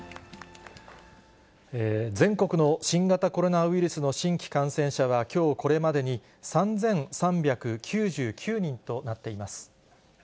全国の新型コロナウイルスの新規感染者はきょうこれまでに３３９９人となっています。